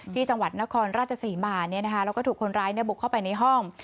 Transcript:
ที่จังหวัดนครราชศรีมาแล้วก็ถูกคนร้ายบุกเข้าไปในห้อง